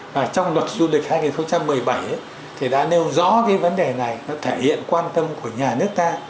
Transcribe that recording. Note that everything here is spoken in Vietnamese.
và trong luật du lịch hai nghìn một mươi bảy thì đã nêu rõ cái vấn đề này nó thể hiện quan tâm của nhà nước ta